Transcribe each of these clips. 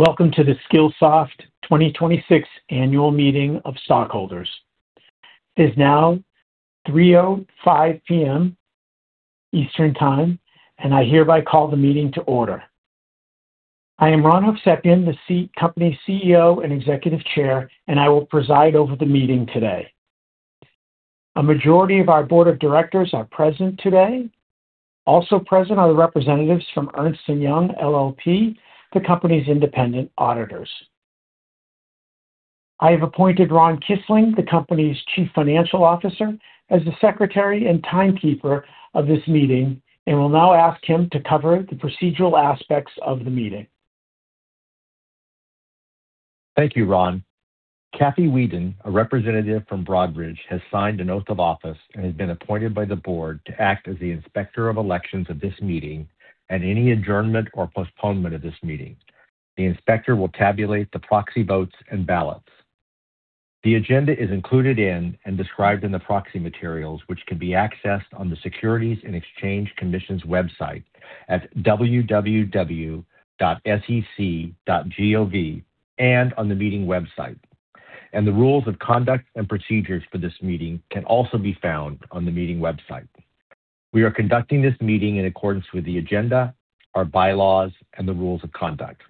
Welcome to the Skillsoft 2026 annual meeting of stockholders. It is now 3:05 P.M. Eastern Time. I hereby call the meeting to order. I am Ron Hovsepian, the company's CEO and Executive Chair. I will preside over the meeting today. A majority of our board of directors are present today. Also present are the representatives from Ernst & Young LLP, the company's independent auditors. I have appointed Ron Kisling, the company's Chief Financial Officer, as the secretary and timekeeper of this meeting. I will now ask him to cover the procedural aspects of the meeting. Thank you, Ron. Kathy Weeden, a representative from Broadridge, has signed an oath of office and has been appointed by the board to act as the inspector of elections of this meeting at any adjournment or postponement of this meeting. The inspector will tabulate the proxy votes and ballots. The agenda is included in and described in the proxy materials, which can be accessed on the Securities and Exchange Commission's website at www.sec.gov and on the meeting website. The rules of conduct and procedures for this meeting can also be found on the meeting website. We are conducting this meeting in accordance with the agenda, our bylaws, and the rules of conduct.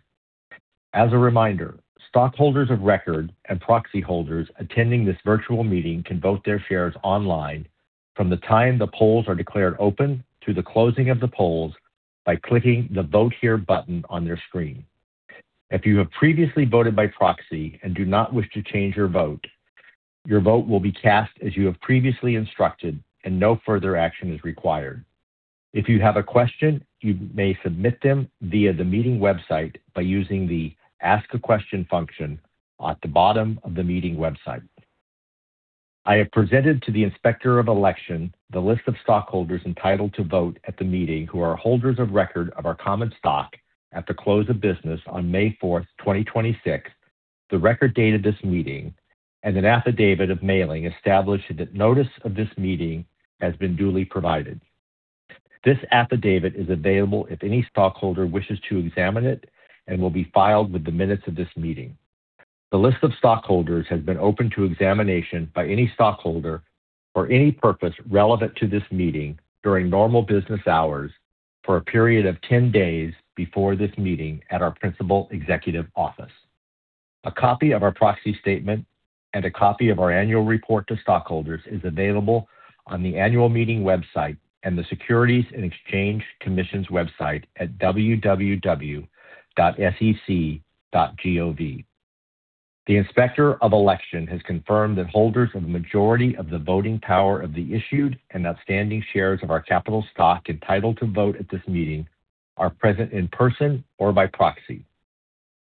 As a reminder, stockholders of record and proxy holders attending this virtual meeting can vote their shares online from the time the polls are declared open to the closing of the polls by clicking the Vote Here button on their screen. If you have previously voted by proxy and do not wish to change your vote, your vote will be cast as you have previously instructed and no further action is required. If you have a question, you may submit them via the meeting website by using the Ask a Question function at the bottom of the meeting website. I have presented to the Inspector of Election the list of stockholders entitled to vote at the meeting who are holders of record of our common stock at the close of business on May 4th, 2026, the record date of this meeting, and an affidavit of mailing establishing that notice of this meeting has been duly provided. This affidavit is available if any stockholder wishes to examine it and will be filed with the minutes of this meeting. The list of stockholders has been open to examination by any stockholder for any purpose relevant to this meeting during normal business hours for a period of 10 days before this meeting at our principal executive office. A copy of our proxy statement and a copy of our annual report to stockholders is available on the annual meeting website and the Securities and Exchange Commission's website at www.sec.gov. The Inspector of Election has confirmed that holders of the majority of the voting power of the issued and outstanding shares of our capital stock entitled to vote at this meeting are present in person or by proxy.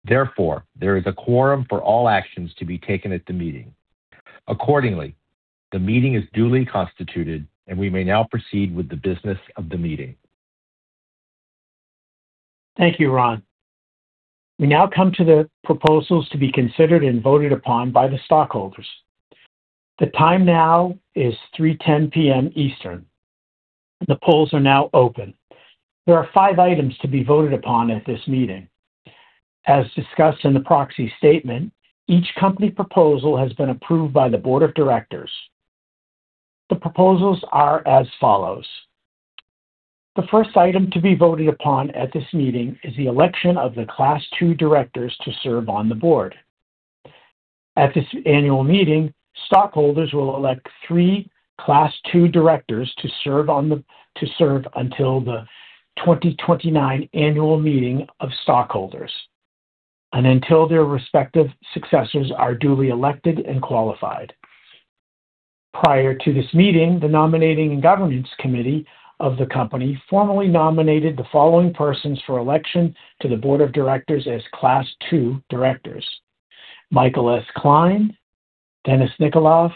Therefore, there is a quorum for all actions to be taken at the meeting. Accordingly, the meeting is duly constituted and we may now proceed with the business of the meeting. Thank you, Ron. We now come to the proposals to be considered and voted upon by the stockholders. The time now is 3:10 P.M. Eastern. The polls are now open. There are five items to be voted upon at this meeting. As discussed in the proxy statement, each company proposal has been approved by the board of directors. The proposals are as follows. The first item to be voted upon at this meeting is the election of the Class II directors to serve on the board. At this annual meeting, stockholders will elect three Class II directors to serve until the 2029 annual meeting of stockholders, and until their respective successors are duly elected and qualified. Prior to this meeting, the nominating and governance committee of the company formally nominated the following persons for election to the board of directors as Class II directors: Michael S. Klein, Denis Nikolaev,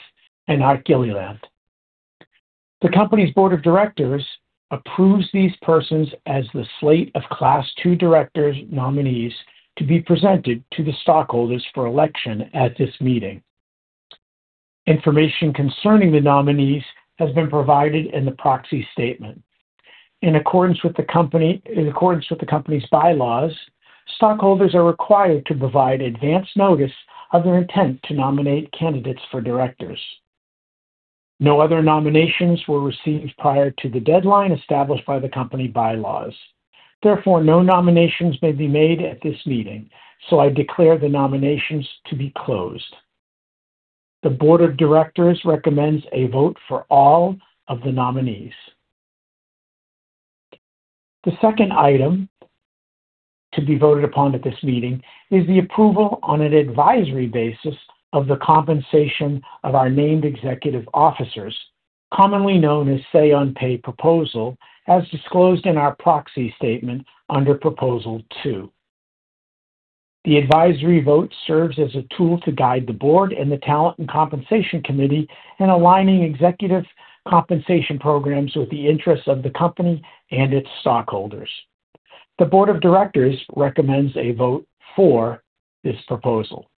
and Art Gilliland. The company's board of directors approves these persons as the slate of Class II directors nominees to be presented to the stockholders for election at this meeting. Information concerning the nominees has been provided in the proxy statement. In accordance with the company's bylaws, stockholders are required to provide advance notice of their intent to nominate candidates for directors. No other nominations were received prior to the deadline established by the company bylaws. Therefore, no nominations may be made at this meeting, so I declare the nominations to be closed. The board of directors recommends a vote for all of the nominees. The second item to be voted upon at this meeting is the approval on an advisory basis of the compensation of our named executive officers, commonly known as say on pay proposal, as disclosed in our proxy statement under proposal two. The advisory vote serves as a tool to guide the board and the talent and compensation committee in aligning executive compensation programs with the interests of the company and its stockholders. The board of directors recommends a vote for this proposal.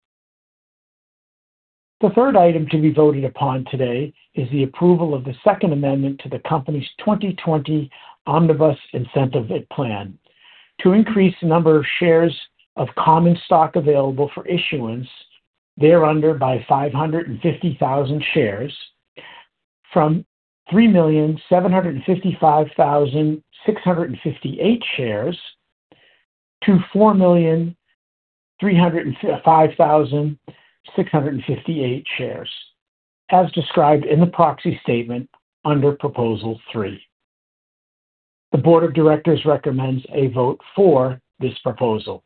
The third item to be voted upon today is the approval of the second amendment to the company's 2020 Omnibus Incentive Plan to increase the number of shares of common stock available for issuance thereunder by 550,000 shares from 3,755,658 shares-4,305,658 shares, as described in the proxy statement under proposal three. The board of directors recommends a vote for this proposal.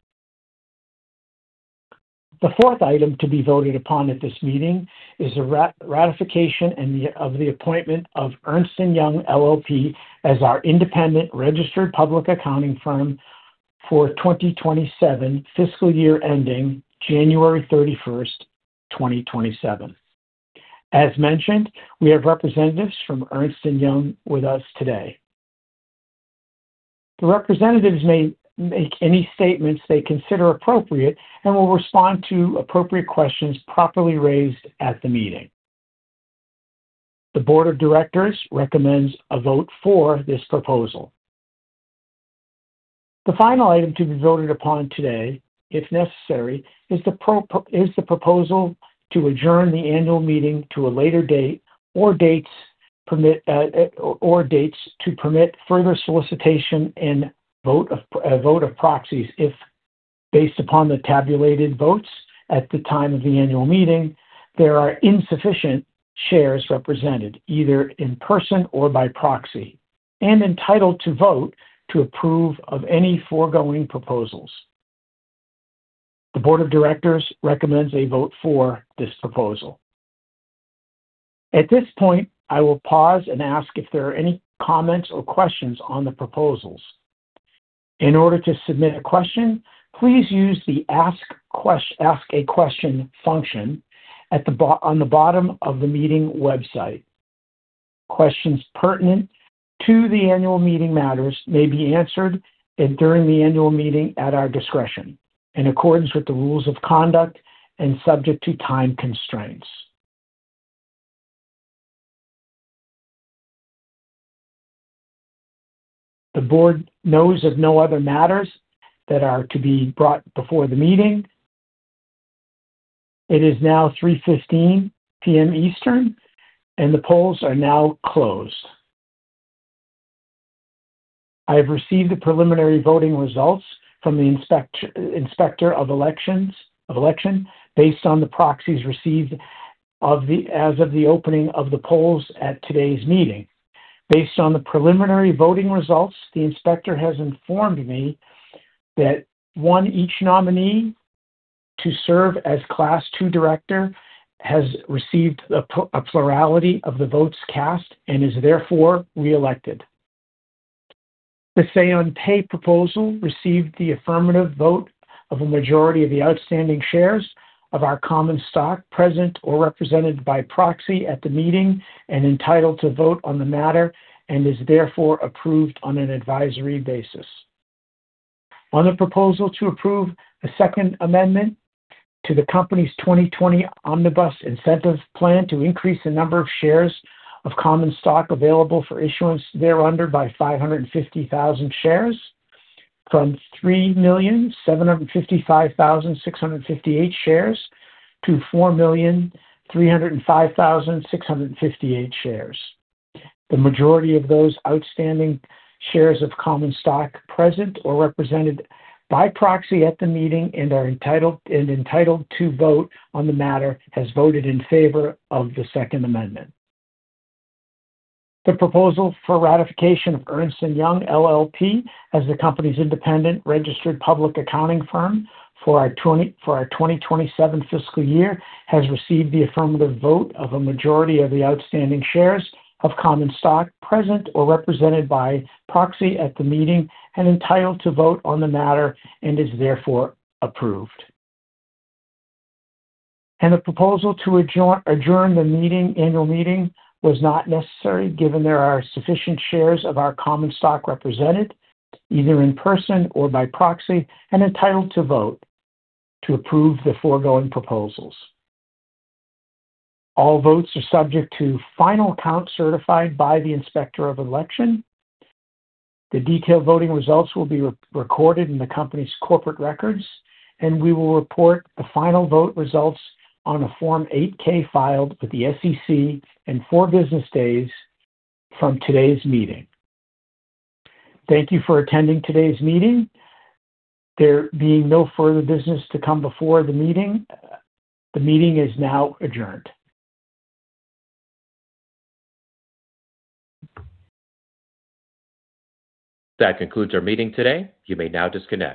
The fourth item to be voted upon at this meeting is a ratification of the appointment of Ernst & Young LLP as our independent registered public accounting firm for 2027 fiscal year ending January 31st, 2027. As mentioned, we have representatives from Ernst & Young with us today. The representatives may make any statements they consider appropriate and will respond to appropriate questions properly raised at the meeting. The Board of Directors recommends a vote for this proposal. The final item to be voted upon today, if necessary, is the proposal to adjourn the annual meeting to a later date or dates to permit further solicitation and a vote of proxies if based upon the tabulated votes at the time of the annual meeting, there are insufficient shares represented, either in person or by proxy, and entitled to vote to approve of any foregoing proposals. The Board of Directors recommends a vote for this proposal. At this point, I will pause and ask if there are any comments or questions on the proposals. In order to submit a question, please use the Ask-a-Question function on the bottom of the meeting website. Questions pertinent to the annual meeting matters may be answered during the annual meeting at our discretion, in accordance with the rules of conduct and subject to time constraints. The board knows of no other matters that are to be brought before the meeting. It is now 3:15 P.M. Eastern, the polls are now closed. I have received the preliminary voting results from the Inspector of Election based on the proxies received as of the opening of the polls at today's meeting. Based on the preliminary voting results, the inspector has informed me that, one, each nominee to serve as Class II director has received a plurality of the votes cast and is therefore re-elected. The say-on-pay proposal received the affirmative vote of a majority of the outstanding shares of our common stock present or represented by proxy at the meeting and entitled to vote on the matter and is therefore approved on an advisory basis. On the proposal to approve a Second Amendment to the company's 2020 Omnibus Incentive Plan to increase the number of shares of common stock available for issuance thereunder by 550,000 shares from 3,755,658 shares-4,305,658 shares. The majority of those outstanding shares of common stock present or represented by proxy at the meeting and are entitled to vote on the matter, has voted in favor of the Second Amendment. The proposal for ratification of Ernst & Young LLP as the company's independent registered public accounting firm for our 2027 fiscal year has received the affirmative vote of a majority of the outstanding shares of common stock present or represented by proxy at the meeting and entitled to vote on the matter and is therefore approved. The proposal to adjourn the annual meeting was not necessary given there are sufficient shares of our common stock represented, either in person or by proxy, and entitled to vote to approve the foregoing proposals. All votes are subject to final count certified by the Inspector of Election. The detailed voting results will be recorded in the company's corporate records, and we will report the final vote results on a Form 8-K, filed with the SEC in four business days from today's meeting. Thank you for attending today's meeting. There being no further business to come before the meeting, the meeting is now adjourned. That concludes our meeting today. You may now disconnect.